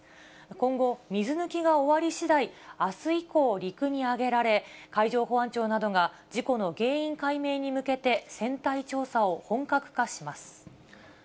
今後、水抜きが終わりしだい、あす以降、陸に揚げられ、海上保安庁などが、事故の原因解明に向けて、船体調査を本格化します。